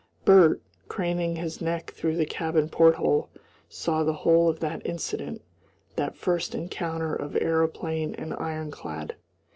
Bert, craning his neck through the cabin port hole, saw the whole of that incident, that first encounter of aeroplane and ironclad.